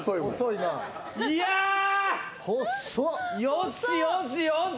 よしよしよし！